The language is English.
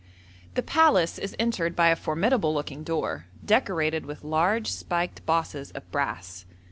The palace is entered by a formidable looking door, decorated with large spiked bosses of brass.